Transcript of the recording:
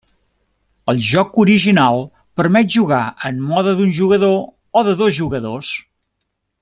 El joc original permet jugar en mode d'un jugador o de dos jugadors.